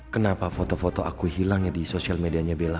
kenapa foto foto aku hilangnya di sosial medianya bella